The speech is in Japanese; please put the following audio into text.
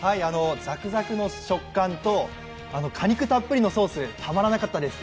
ザクザクの食感と果肉たっぷりのソースたまらなかったです。